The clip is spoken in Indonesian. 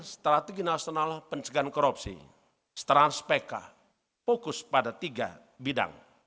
strategi nasional pencegahan korupsi setrans pk fokus pada tiga bidang